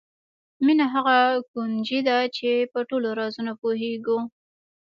مینه هغه کونجي ده چې په ټولو رازونو پوهېږو.